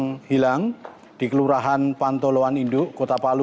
kemudian dua puluh sembilan orang hilang di kelurahan pantoloan induk kota palu